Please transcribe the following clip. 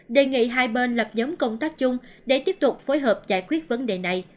đề nghị hai bên lập giống công tác chung để tiếp tục phối hợp giải quyết vấn đề này